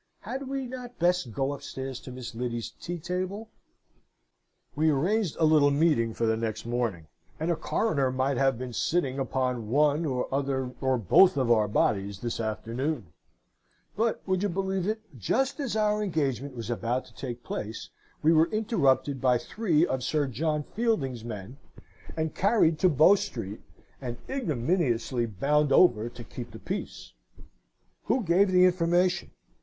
Had we not best go upstairs to Miss Lyddy's tea table?' "We arranged a little meeting for the next morning; and a coroner might have been sitting upon one or other, or both, of our bodies this afternoon; but, would you believe it? just as our engagement was about to take place, we were interrupted by three of Sir John Fielding's men, and carried to Bow Street, and ignominiously bound over to keep the peace. "Who gave the information?